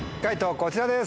こちらです。